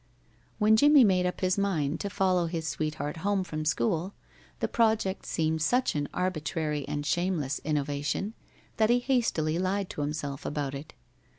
When Jimmie made up his mind to follow his sweetheart home from school, the project seemed such an arbitrary and shameless innovation that he hastily lied to himself about it.